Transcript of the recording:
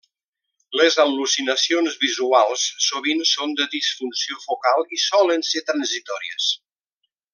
Les al·lucinacions visuals sovint són de disfunció focal i solen ser transitòries.